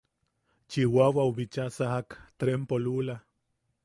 Chiwawau bicha sajak trempo lula.